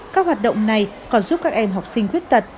các hoạt động này còn giúp các em học sinh khuyết tật